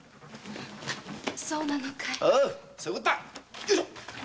そうなのかい。